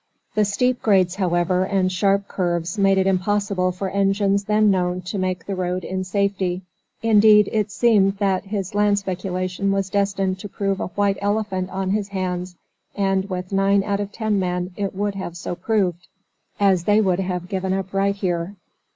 The steep grades, however, and sharp curves, made it impossible for engines then known to make the road in safety. Indeed, it seemed that his land speculation was destined to prove a 'White Elephant' on his hands, and, with nine out of ten men it would have so proved, as they would have given up right here.